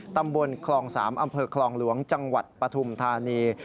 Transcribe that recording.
ตำบลคลอง๓อำเภอคลองหลวงจังหวัดปฐุมธานี